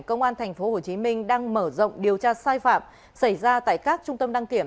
công an tp hcm đang mở rộng điều tra sai phạm xảy ra tại các trung tâm đăng kiểm